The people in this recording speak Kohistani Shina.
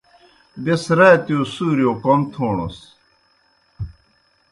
بیْس راتِیؤ سُورِیؤ کوْم تھوݨَس۔